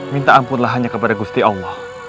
minta ampunlah hanya kepada gusti allah